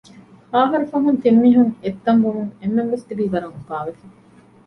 ހައަހަރު ފަހުން ތިންމީހުން އެއްތަން ވުމުން އެންމެންވެސް ތިބީ ވަރަށް އުފާވެފަ